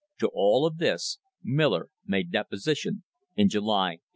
To all of this Miller made deposition in July, 1884.